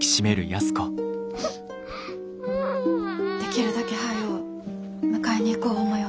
できるだけ早う迎えに行こう思ようる。